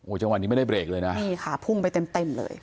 จังหวะนี้ไม่ได้เบรกเลยนะนี่ค่ะพุ่งไปเต็มเต็มเลย